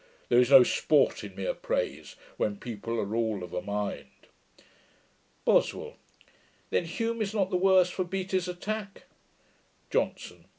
There is no sport in mere praise, when people are all of a mind.' BOSWELL. 'Then Hume is not the worse for Seattle's attack?' JOHNSON.